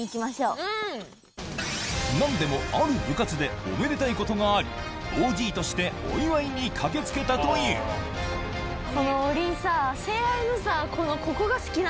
何でもある部活でおめでたいことがありＯＧとしてお祝いに駆け付けたという王林さ。